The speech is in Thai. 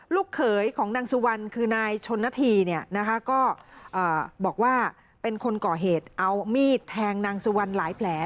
ลูกเขยของนางสุวรรณคือนายชนนาธีเนี่ยนะคะก็บอกว่าเป็นคนก่อเหตุเอามีดแทงนางสุวรรณหลายแผล